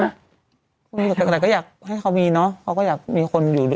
ถ้าอยู่ต่อไปก็อยากให้เขามีกั้นเนอะเขาก็อยากมีคนอยู่หลัก